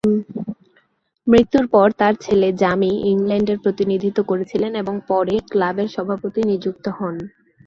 মৃত্যুর পর তার ছেলে জামি ইংল্যান্ডের প্রতিনিধিত্ব করেছিলেন এবং পরে ক্লাবের সভাপতি নিযুক্ত হন।